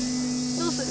どうする？